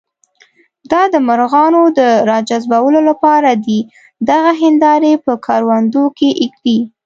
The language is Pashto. دا د مرغانو د راجذبولو لپاره دي، دغه هندارې په کروندو کې ږدي.